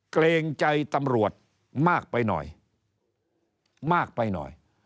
เกรงใจตำรวจมากไปหน่อยมากไปหน่อย